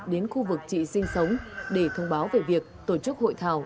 đến khu vực chị sinh sống để thông báo về việc tổ chức hội thảo